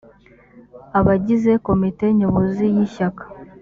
abagize komite nyobozi y’ishyaka